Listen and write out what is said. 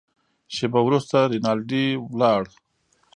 شېبه وروسته رینالډي ولاړ.